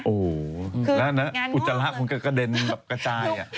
โอ้โหแล้วอุจจาระมันก็กระเด็นแบบกระจาย